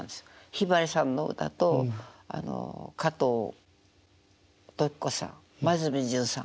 ひばりさんの歌とあの加藤登紀子さん黛ジュンさん